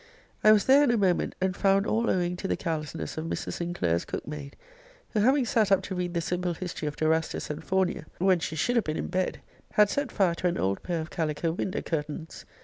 I was there in a moment, and found all owing to the carelessness of Mrs. Sinclair's cook maid, who having sat up to read the simple History of Dorastus and Faunia, when she should have been in bed, had set fire to an old pair of calico window curtains.